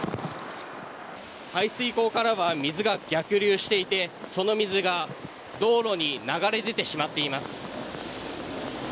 排水溝からは水が逆流していてその水が道路に流れ出てしまっています。